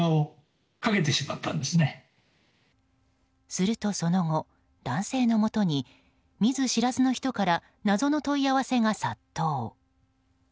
すると、その後男性のもとに見ず知らずの人から謎の問い合わせが殺到。